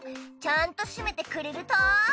ちゃんと閉めてくれると。